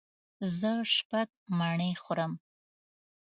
زه شپږ مڼې خورم.